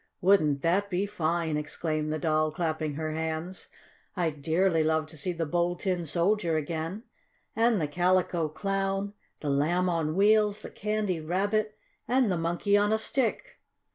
"Wouldn't that be fine!" exclaimed the Doll, clapping her hands. "I'd dearly love to see the Bold Tin Soldier again, and the Calico Clown, the Lamb on Wheels, the Candy Rabbit and the Monkey on a Stick."